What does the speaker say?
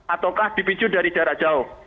ataukah dipicu dari jarak jauh